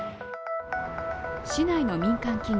市内の民間企業